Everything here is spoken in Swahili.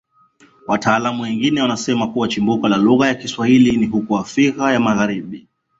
Wataalamu wengine wanaosema kuwa chimbuko la lugha ya Kiswahili ni huko Afrika ya Magharibi